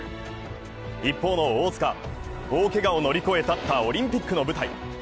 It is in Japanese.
一方の大塚、大けがを乗り越え立ったオリンピックの舞台。